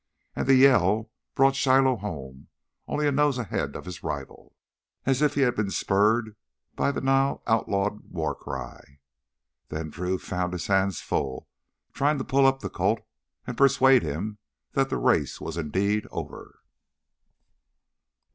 And the Yell brought Shiloh home, only a nose ahead of his rival—as if he had been spurred by the now outlawed war cry. Then Drew found he had his hands full trying to pull up the colt and persuade him that the race was indeed over.